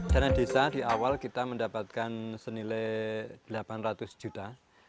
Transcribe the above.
dana desa di awal kita mendapatkan senilai delapan ratus juta